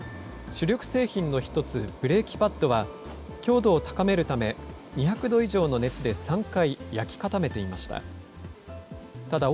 主力製品の一つ、ブレーキパッドは、強度を高めるため、２００度以上の熱で３回、焼き固めていました。